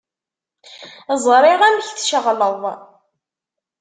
Ẓriɣ amek tceɣleḍ.